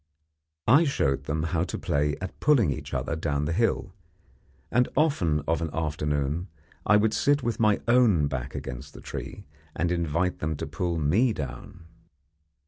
I showed them how to play at pulling each other down the hill, and often of an afternoon I would sit with my own back against the tree, and invite them to pull me down.